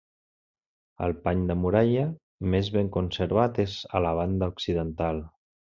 El pany de muralla més ben conservat és a la banda occidental.